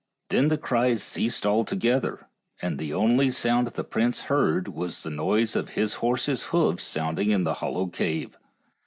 Then the cries ceased altogether, and the only sound the prince heard was the noise of his horse's hoofs sound ing in the hollow cave.